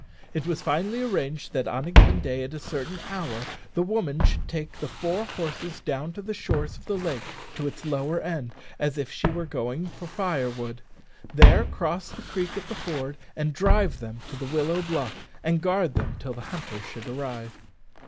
It was finally arranged that on a given day, at a certain hour, the woman should take the four horses down the shores of the lake to its lower end, as if she were going for firewood, there cross the creek at the ford, and drive them to the willow bluff, and guard them till the hunters should arrive.